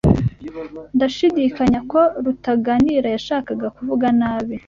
Ndashidikanya ko Rutaganira yashakaga kuvuga nabi.